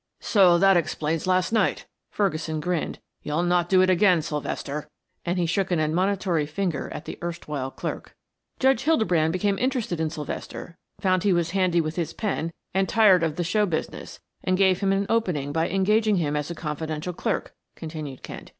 "So that explains last night," Ferguson grinned. "You'll not do it again, Sylvester," and he shook an admonitory finger at the erstwhile clerk. "Judge Hildebrand became interested in Sylvester, found he was handy with his pen and tired of the show business, and gave him an opening by engaging him as confidential clerk," continued Kent.